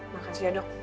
makasih ya dok